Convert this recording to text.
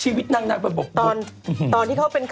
ชีวิตนางชีวิตนางได้บรรบบุตร